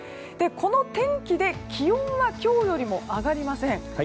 この天気で気温は今日よりも上がりません。